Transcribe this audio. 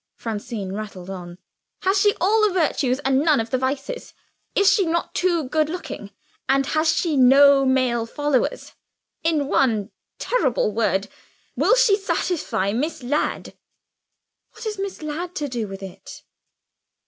Francine rattled on. "Has she all the virtues, and none of the vices? Is she not too good looking, and has she no male followers? In one terrible word will she satisfy Miss Ladd?" "What has Miss Ladd to do with it?"